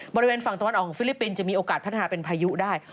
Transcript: บริเวณฝั่งตะวันออกของฟิลิปปินส์จะมีโอกาสพัฒนาเป็นพายุได้